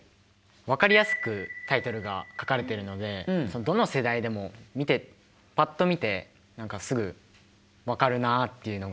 分かりやすくタイトルが書かれているのでどの世代でもぱっと見てすぐ分かるなあっていうのが思いました。